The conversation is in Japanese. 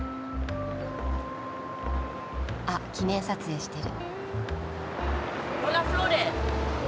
あっ記念撮影してる。